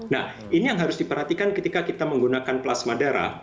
nah ini yang harus diperhatikan ketika kita menggunakan plasma darah